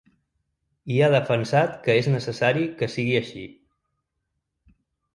I ha defensat que és necessari que sigui així.